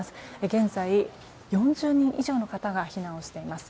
現在４０人以上の方が避難をしています。